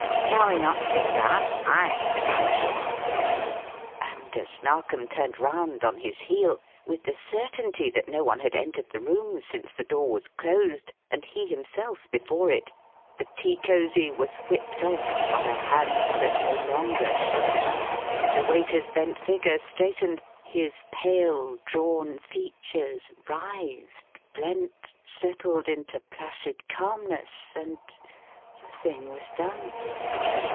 "Shall we not sit down? I'm famishing." And as Narkom turned round on his heel with the certainty that no one had entered the room since the door was closed and he himself before it the tea cosy was whipped off by a hand that no longer shook, the waiter's bent figure straightened, his pale, drawn features writhed, blent, settled into placid calmness and the thing was done!